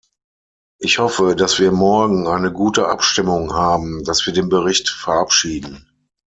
Ich hoffe, dass wir morgen eine gute Abstimmung haben, dass wir den Bericht verabschieden.